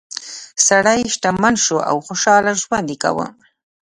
سړی شتمن شو او خوشحاله ژوند یې کاوه.